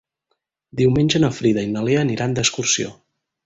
Diumenge na Frida i na Lea aniran d'excursió.